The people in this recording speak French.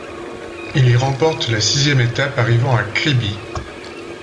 Il y remporte la sixième étape arrivant à Kribi.